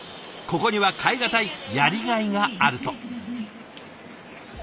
ここには代え難いやりがいがあると。